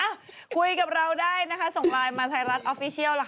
อ้าวคุยกับเราได้นะคะส่งไลน์มาในรัฐออฟฟิเชียลหรือค่ะ